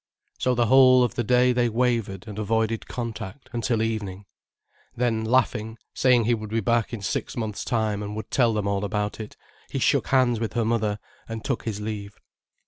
So the whole of the day they wavered and avoided contact, until evening. Then, laughing, saying he would be back in six months' time and would tell them all about it, he shook hands with her mother and took his leave.